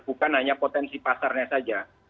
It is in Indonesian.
bukan hanya potensi pasarnya saja